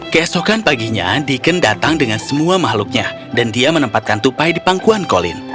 keesokan paginya deacon datang dengan semua makhluknya dan dia menempatkan tupai di pangkuan kolin